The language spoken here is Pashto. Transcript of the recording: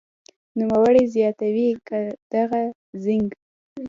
نوموړې زیاتوي که دغه زېنک